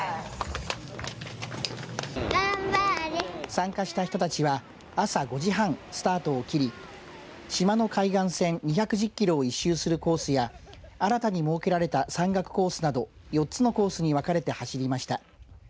参加した人たちは朝５時半、スタートを切り島の海岸線２１０キロを１周するコースや新たに設けられた山岳コースなど４つのコースに分かれて走りました。